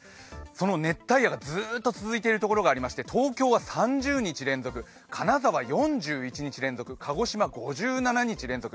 その熱帯夜がずっと続いているところがありまして東京は３０日連続、金沢４１日連続、鹿児島５７日連続。